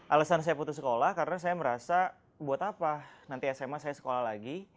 alasan saya putus sekolah karena saya merasa buat apa nanti sma saya sekolah lagi